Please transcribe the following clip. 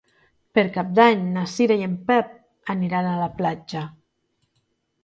Per Cap d'Any na Cira i en Pep aniran a la platja.